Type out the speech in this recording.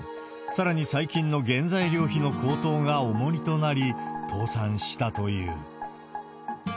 さらに、最近の原材料費の高騰が重荷となり、倒産したという。